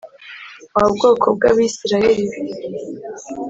Wa bwoko bw’Abisirayeli we,